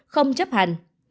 không chấp hành